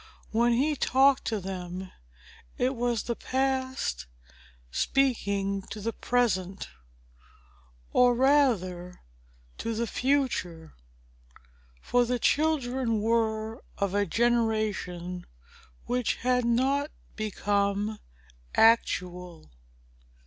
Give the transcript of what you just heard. When he talked to them, it was the past speaking to the present,—or rather to the future, for the children were of a generation which had not become actual.